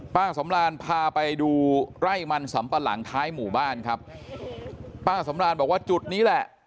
ป้าสำรานพาไปดูไร่มันสำปะหลังท้ายหมู่บ้านครับป้าสำรานบอกว่าจุดนี้แหละ